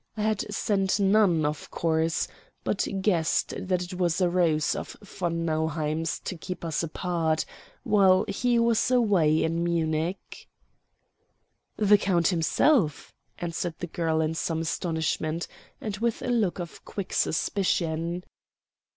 I had sent none, of course, but guessed that it was a ruse of von Nauheim's to keep us apart while he was away in Munich. "The count himself," answered the girl in some astonishment, and with a look of quick suspicion.